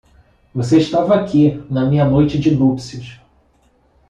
Você estava aqui na minha noite de núpcias.